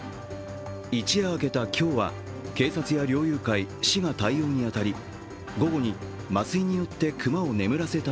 一夜明けた今日は、警察や猟友会、市が対応に当たり、午後に麻酔によって熊を眠らせた